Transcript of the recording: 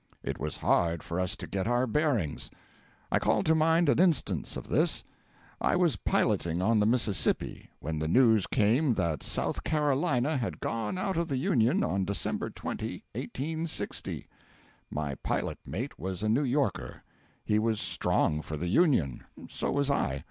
It was hard for us to get our bearings. I call to mind an instance of this. I was piloting on the Mississippi when the news came that South Carolina had gone out of the Union on December 20, 1860. My pilot mate was a New Yorker. He was strong for the Union; so was I.